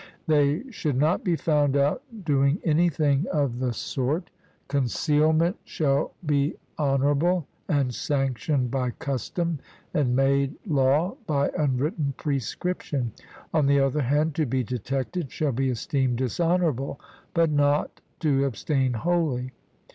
They should not be found out doing anything of the sort. Concealment shall be honourable, and sanctioned by custom and made law by unwritten prescription; on the other hand, to be detected shall be esteemed dishonourable, but not, to abstain wholly.